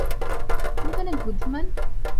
তুমি তো অনেক বুদ্ধিমান!